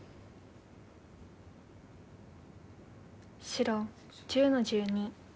白１０の十二。